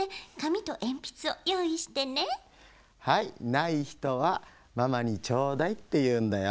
ないひとはママに「ちょうだい」っていうんだよ。